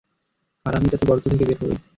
হারামিটা তো গর্ত থেকে বের হবেই।